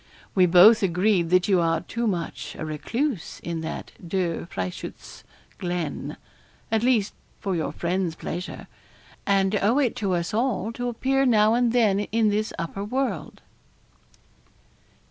We both agreed that you are too much a recluse in that Der Frieschutz Glen at least, for your friends' pleasure; and owe it to us all to appear now and then in this upper world.'